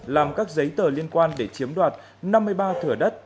làm các giấy tờ liên quan để chiếm đoạt năm mươi ba thửa đất